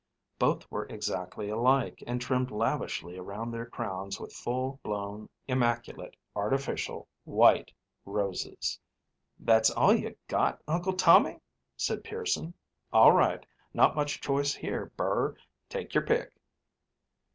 Both were exactly alike, and trimmed lavishly around their crowns with full blown, immaculate, artificial white roses. "That all you got, Uncle Tommy?" said Pearson. "All right. Not much choice here, Burr. Take your pick."